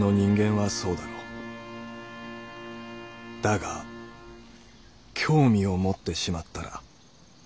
だが興味を持ってしまったら。